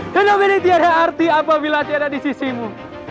dan objek ini tidak ada arti apabila tidak ada di sisimu